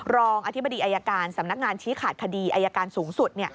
รองอธิบดีอายการสำนักงานชี้ขาดคดีอายการสูงสุด